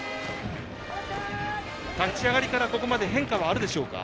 立ち上がりからここまで変化はあるでしょうか。